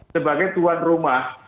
sebagai tuan rumah